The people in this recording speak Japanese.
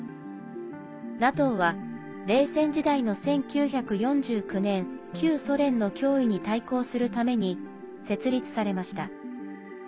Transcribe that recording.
ＮＡＴＯは冷戦時代の１９４９年旧ソ連の脅威に対抗するために設立されました。